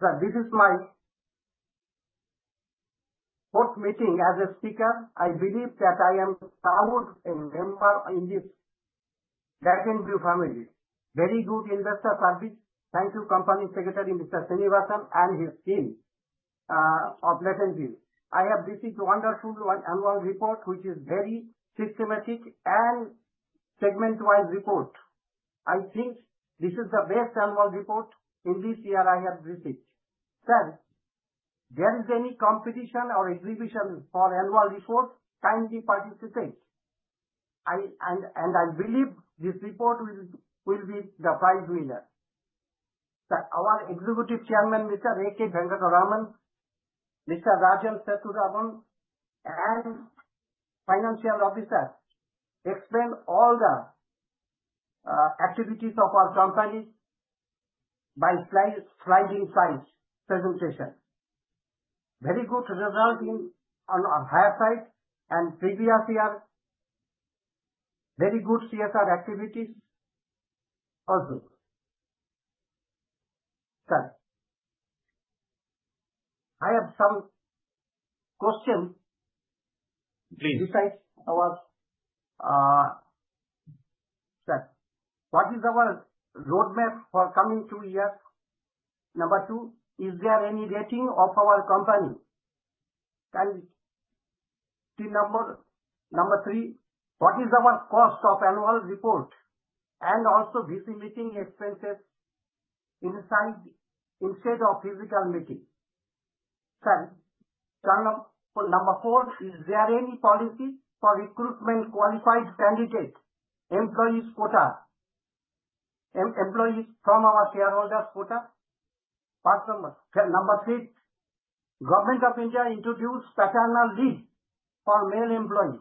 Sir, this is my fourth meeting as a speaker. I believe that I am proud and a member in this LatentView family. Very good investor service. Thank you, company secretary, Mr. Srinivasan, and his team of LatentView. I have received a wonderful annual report, which is a very systematic and segment-wise report. I think this is the best annual report in this year I have received. Sir, there is any competition or exhibition for annual report? Kindly participate. I believe this report will be the prize winner. Sir, our Executive Chairman, Mr. A.V. Venkatraman, Mr. Rajan Sethuraman, and financial officers explained all the activities of our company by a slide presentation. Very good result on our higher side and previous year. Very good CSR activities also. Sir, I have some questions. Please. Besides our sir, what is our roadmap for coming two years? Number two, is there any rating of our company? Thank you. Number three, what is our cost of annual report and also VC meeting expenses inside instead of physical meeting? Sir, number four, is there any policy for recruitment qualified candidate employees quota, employees from our shareholders quota? Number three, Government of India introduced paternity leave for male employees.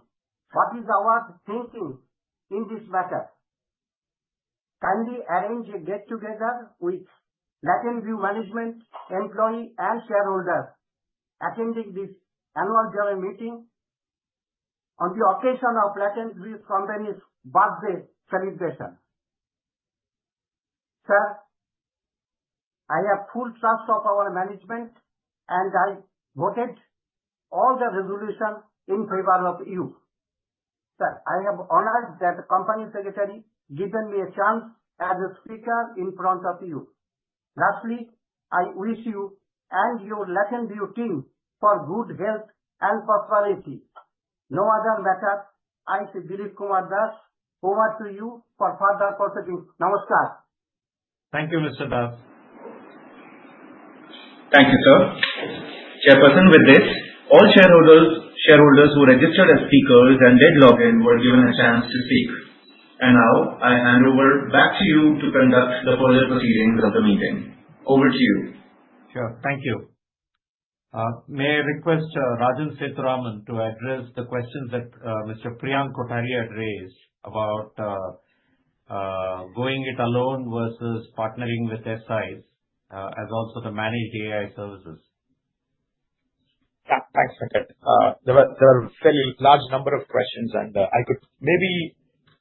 What is our thinking in this matter? Kindly arrange a get-together with LatentView management employee and shareholders attending this annual general meeting on the occasion of LatentView company's birthday celebration. Sir, I have full trust of our management, and I voted all the resolution in favor of you. Sir, I have honored that the company secretary has given me a chance as a speaker in front of you. Lastly, I wish you and your LatentView team for good health and prosperity. No other matter. I, Dilip Kumar Das, over to you for further proceedings. Namaskar. Thank you, Mr. Das. Thank you, sir. Chairperson, with this, all shareholders who registered as speakers and did log in were given a chance to speak. And now, I hand over back to you to conduct the further proceedings of the meeting. Over to you. Sure. Thank you. May I request Rajan Sethuraman to address the questions that Mr. Priyank Kothari had raised about going it alone versus partnering with SIs as also the managed AI services? Yeah, thanks, Venkat. There are a fairly large number of questions, and I could maybe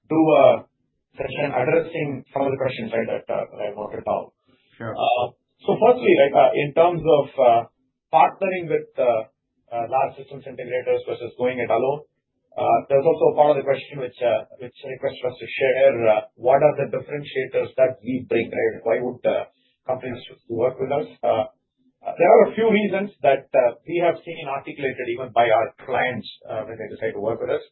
do a session addressing some of the questions that I want to know. Sure. So firstly, in terms of partnering with large systems integrators versus going it alone, there's also part of the question which requests us to share what are the differentiators that we bring, right? Why would companies work with us? There are a few reasons that we have seen articulated even by our clients when they decide to work with us.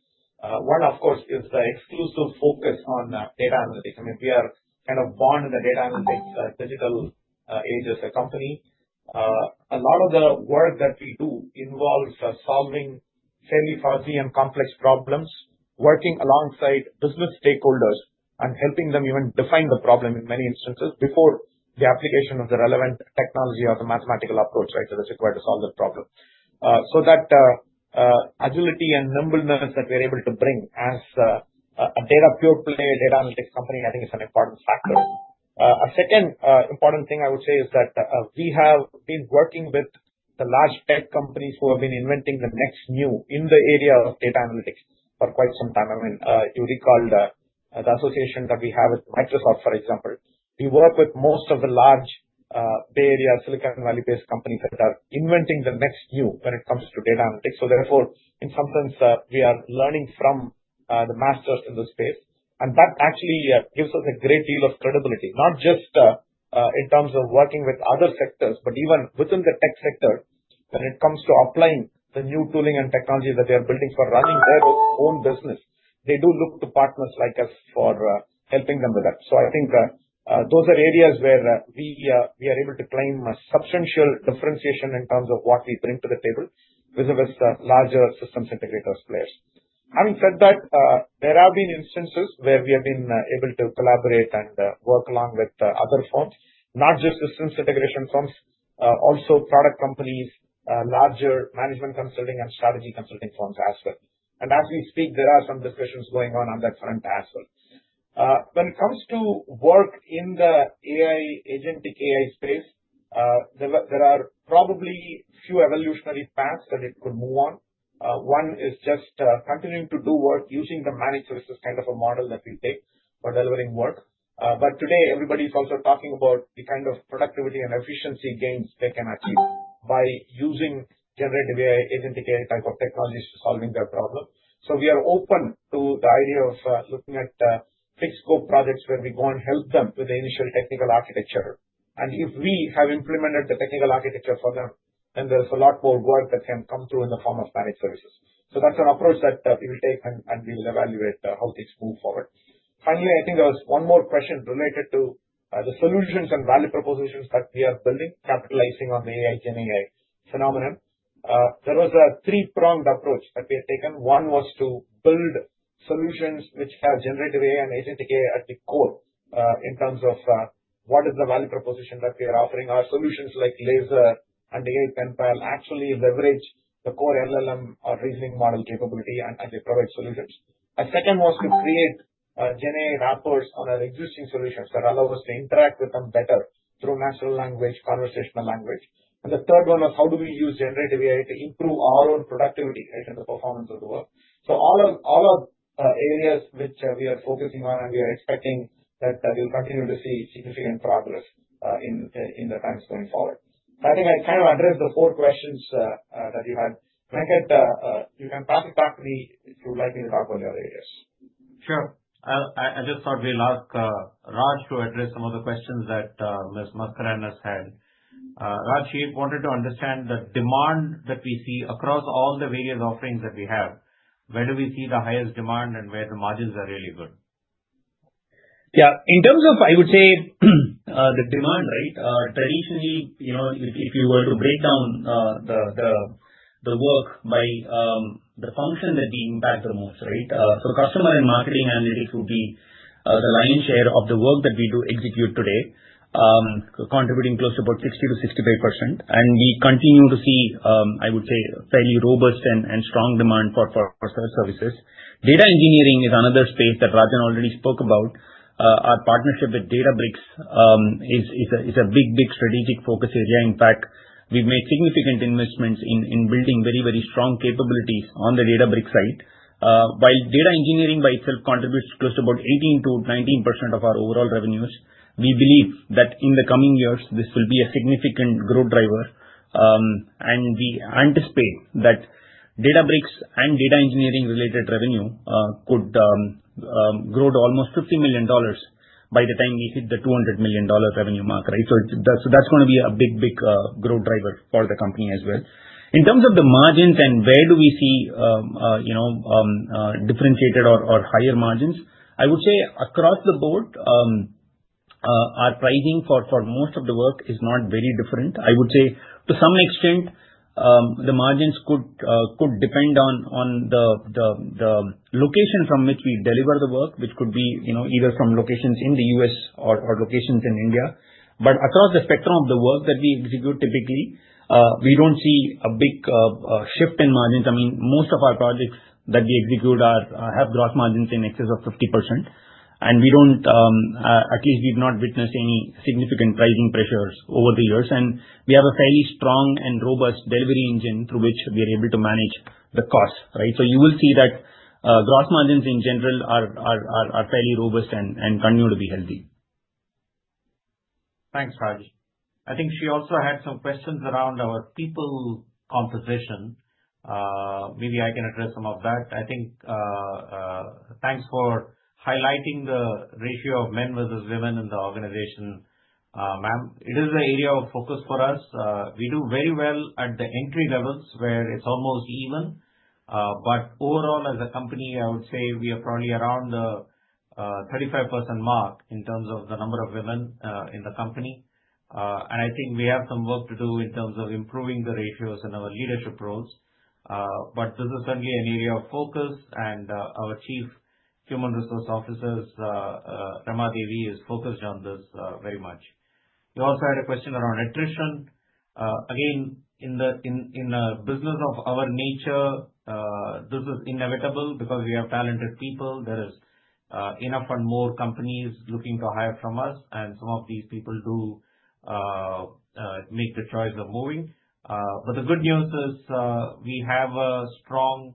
One, of course, is the exclusive focus on data analytics. I mean, we are kind of born in the data analytics digital age as a company. A lot of the work that we do involves solving fairly fuzzy and complex problems, working alongside business stakeholders and helping them even define the problem in many instances before the application of the relevant technology or the mathematical approach, right, that is required to solve the problem. So that agility and nimbleness that we are able to bring as a data pure-play data analytics company, I think, is an important factor. A second important thing I would say is that we have been working with the large tech companies who have been inventing the next new in the area of data analytics for quite some time. I mean, you recall the association that we have with Microsoft, for example. We work with most of the large Bay Area Silicon Valley-based companies that are inventing the next new when it comes to data analytics. So therefore, in some sense, we are learning from the masters in the space. That actually gives us a great deal of credibility, not just in terms of working with other sectors, but even within the tech sector when it comes to applying the new tooling and technology that they are building for running their own business. They do look to partners like us for helping them with that. So I think those are areas where we are able to claim a substantial differentiation in terms of what we bring to the table vis-à-vis larger systems integrators players. Having said that, there have been instances where we have been able to collaborate and work along with other firms, not just systems integration firms, also product companies, larger management consulting and strategy consulting firms as well. As we speak, there are some discussions going on on that front as well. When it comes to work in the agentic AI space, there are probably few evolutionary paths that it could move on. One is just continuing to do work using the managed services kind of a model that we take for delivering work. But today, everybody is also talking about the kind of productivity and efficiency gains they can achieve by using generative AI, agentic AI type of technologies to solving their problem. So we are open to the idea of looking at fixed scope projects where we go and help them with the initial technical architecture. And if we have implemented the technical architecture for them, then there is a lot more work that can come through in the form of managed services. So that's an approach that we will take, and we will evaluate how things move forward. Finally, I think there was one more question related to the solutions and value propositions that we are building, capitalizing on the AI GenAI phenomenon. There was a three-pronged approach that we had taken. One was to build solutions which have generative AI and agentic AI at the core in terms of what is the value proposition that we are offering. Our solutions like LASER and AI Penpal actually leverage the core LLM or reasoning model capability, and they provide solutions. A second was to create GenAI wrappers on our existing solutions that allow us to interact with them better through natural language, conversational language. And the third one was how do we use generative AI to improve our own productivity, right, and the performance of the work. So all are areas which we are focusing on, and we are expecting that we'll continue to see significant progress in the times going forward. So I think I kind of addressed the four questions that you had. Venkat, you can pass it back to me if you'd like me to talk on your areas. Sure. I just thought we'll ask Raj to address some of the questions that Ms. Mascarenhas had. Raj, she wanted to understand the demand that we see across all the various offerings that we have. Where do we see the highest demand and where the margins are really good? Yeah. In terms of, I would say, the demand, right, traditionally, if you were to break down the work by the function that we impact the most, right, so customer and marketing analytics would be the lion's share of the work that we do execute today, contributing close to about 60%-65%. And we continue to see, I would say, fairly robust and strong demand for these services. Data engineering is another space that Rajan already spoke about. Our partnership with Databricks is a big, big strategic focus area. In fact, we've made significant investments in building very, very strong capabilities on the Databricks side. While data engineering by itself contributes close to about 18%-19% of our overall revenues, we believe that in the coming years, this will be a significant growth driver. And we anticipate that Databricks and data engineering-related revenue could grow to almost $50 million by the time we hit the $200 million revenue mark, right? So that's going to be a big, big growth driver for the company as well. In terms of the margins and where do we see differentiated or higher margins, I would say across the board, our pricing for most of the work is not very different. I would say, to some extent, the margins could depend on the location from which we deliver the work, which could be either from locations in the U.S. or locations in India. But across the spectrum of the work that we execute, typically, we don't see a big shift in margins. I mean, most of our projects that we execute have gross margins in excess of 50%. At least we've not witnessed any significant pricing pressures over the years. We have a fairly strong and robust delivery engine through which we are able to manage the cost, right? You will see that gross margins in general are fairly robust and continue to be healthy. Thanks, Raj. I think she also had some questions around our people composition. Maybe I can address some of that. I think thanks for highlighting the ratio of men versus women in the organization, ma'am. It is an area of focus for us. We do very well at the entry levels where it's almost even. But overall, as a company, I would say we are probably around the 35% mark in terms of the number of women in the company. And I think we have some work to do in terms of improving the ratios in our leadership roles. But this is certainly an area of focus. And our Chief Human Resource Officer, Remadevi, is focused on this very much. You also had a question around attrition. Again, in a business of our nature, this is inevitable because we have talented people. There are enough and more companies looking to hire from us, and some of these people do make the choice of moving, but the good news is we have a strong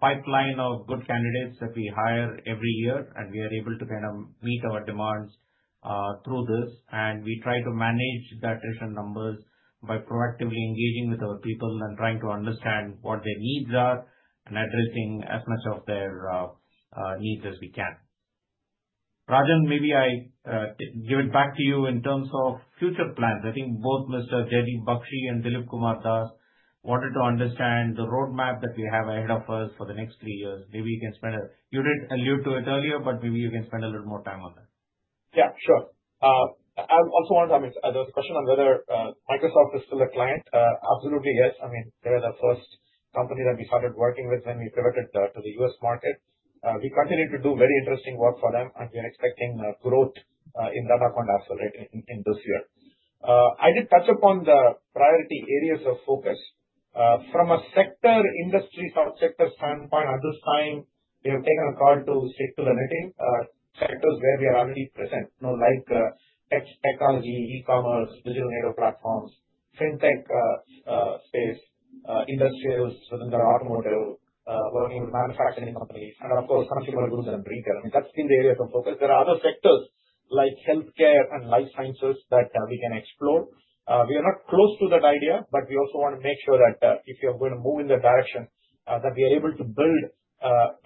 pipeline of good candidates that we hire every year, and we are able to kind of meet our demands through this, and we try to manage the attrition numbers by proactively engaging with our people and trying to understand what their needs are and addressing as much of their needs as we can. Rajan, maybe I give it back to you in terms of future plans. I think both Mr. Jaydeep Bakshi and Dilip Kumar Das wanted to understand the roadmap that we have ahead of us for the next three years. Maybe you can spend a, you did allude to it earlier, but maybe you can spend a little more time on that. Yeah, sure. I also wanted to, I mean, there was a question on whether Microsoft is still a client. Absolutely, yes. I mean, they were the first company that we started working with when we pivoted to the U.S. market. We continue to do very interesting work for them. And we are expecting growth in data consulting in this year. I did touch upon the priority areas of focus. From a sector, industry subsector standpoint, at this time, we have taken a call to stick to the key sectors where we are already present, like tech technology, e-commerce, digital native platforms, fintech space, industrials within the automotive, working with manufacturing companies, and of course, consumer goods and retail. I mean, that's been the areas of focus. There are other sectors like healthcare and life sciences that we can explore. We are not close to that idea, but we also want to make sure that if we are going to move in that direction, that we are able to build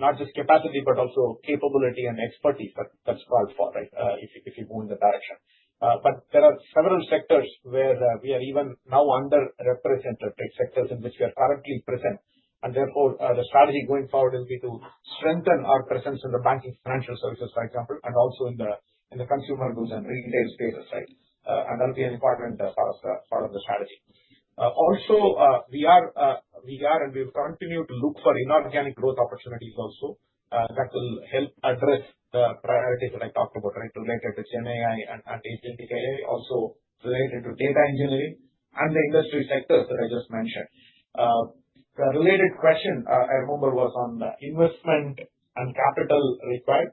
not just capacity, but also capability and expertise that's called for, right, if you move in that direction. But there are several sectors where we are even now underrepresented, right, sectors in which we are currently present. And therefore, the strategy going forward will be to strengthen our presence in the banking financial services, for example, and also in the consumer goods and retail space, right? And that will be an important part of the strategy. Also, we are and we will continue to look for inorganic growth opportunities also that will help address the priorities that I talked about, right, related to GenAI and Agentic AI, also related to data engineering and the industry sectors that I just mentioned. The related question, I remember, was on the investment and capital required.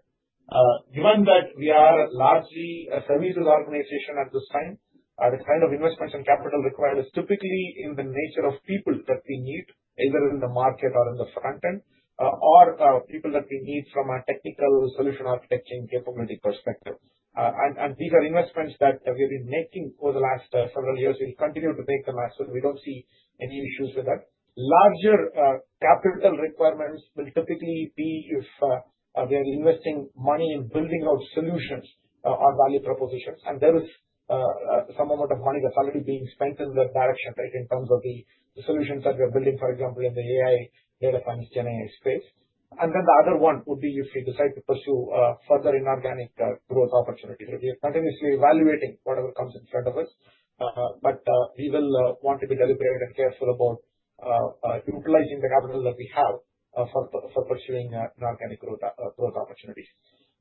Given that we are largely a services organization at this time, the kind of investments and capital required is typically in the nature of people that we need, either in the market or in the front-end, or people that we need from a technical solution architecture and capability perspective. And these are investments that we have been making for the last several years. We'll continue to make them as well. We don't see any issues with that. Larger capital requirements will typically be if we are investing money in building out solutions or value propositions, and there is some amount of money that's already being spent in that direction, right, in terms of the solutions that we are building, for example, in the AI data science GenAI space, and then the other one would be if we decide to pursue further inorganic growth opportunities. We are continuously evaluating whatever comes in front of us, but we will want to be deliberate and careful about utilizing the capital that we have for pursuing inorganic growth opportunities.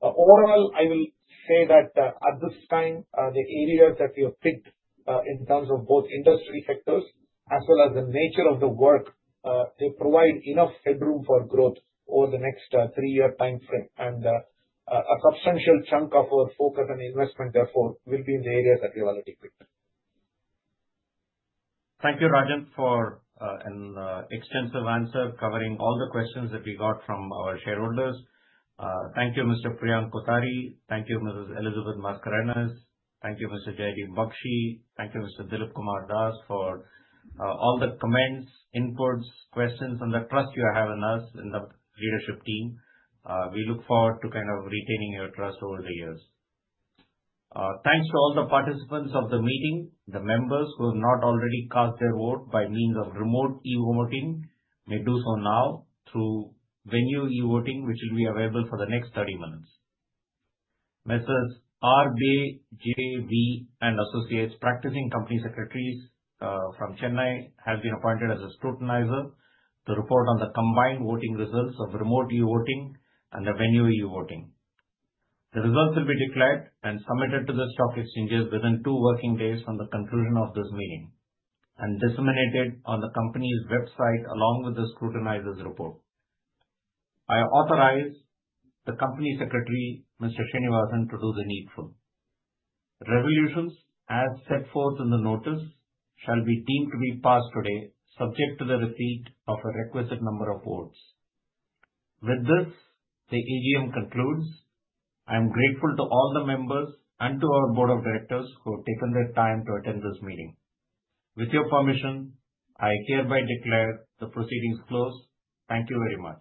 Overall, I will say that at this time, the areas that we have picked in terms of both industry sectors as well as the nature of the work, they provide enough headroom for growth over the next three-year time frame. A substantial chunk of our focus and investment, therefore, will be in the areas that we have already picked. Thank you, Rajan, for an extensive answer covering all the questions that we got from our shareholders. Thank you, Mr. Priyank Kothari. Thank you, Mrs. Elizabeth Mascarenhas. Thank you, Mr. Jaydeep Bakshi. Thank you, Mr. Dilip Kumar Das, for all the comments, inputs, questions, and the trust you have in us and the leadership team. We look forward to kind of retaining your trust over the years. Thanks to all the participants of the meeting. The members who have not already cast their vote by means of remote e-voting may do so now through venue e-voting, which will be available for the next 30 minutes. R.B.J.V. & Associates, Practicing Company Secretaries from Chennai, have been appointed as a scrutinizer to report on the combined voting results of remote e-voting and the venue e-voting. The results will be declared and submitted to the stock exchanges within two working days from the conclusion of this meeting and disseminated on the company's website along with the scrutinizer's report. I authorize the company secretary, Mr. Srinivasan, to do the needful. Resolutions, as set forth in the notice, shall be deemed to be passed today, subject to the receipt of a requisite number of votes. With this, the AGM concludes. I am grateful to all the members and to our board of directors who have taken their time to attend this meeting. With your permission, I hereby declare the proceedings closed. Thank you very much.